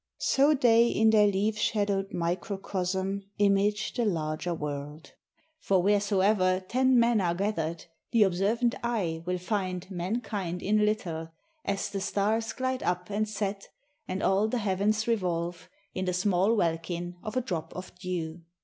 So they in their leaf shadowed microcosm Image the larger world ; for wheresoe'er Ten men are gathered, the observant eye Will find mankind in little, as the stars Glide up and set, and all the heavens revolve In the small welkin of a drop of dew.